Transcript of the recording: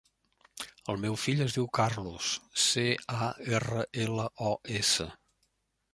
El meu fill es diu Carlos: ce, a, erra, ela, o, essa.